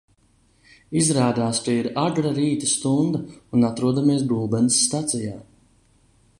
Izrādās, ka ir agra rīta stunda un atrodamies Gulbenes stacijā.